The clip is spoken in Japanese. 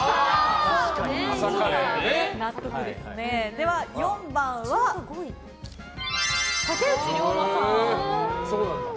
では４番は、竹内涼真さん。